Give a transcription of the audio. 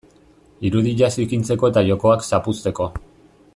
Irudia zikintzeko eta jokoak zapuzteko.